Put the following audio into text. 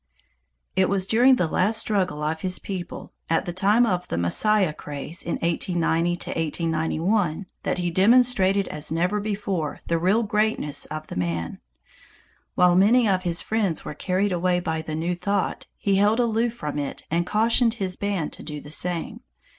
It was during the last struggle of his people, at the time of the Messiah craze in 1890 1891 that he demonstrated as never before the real greatness of the man. While many of his friends were carried away by the new thought, he held aloof from it and cautioned his band to do the same.